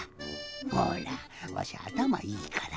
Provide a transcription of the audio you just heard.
ほらわしあたまいいから。